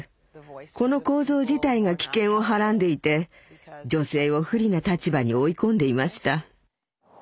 この構造自体が危険をはらんでいて女性を不利な立場に追い込んでいました。